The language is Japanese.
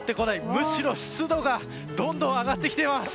むしろ、湿度がどんどん上がってきています！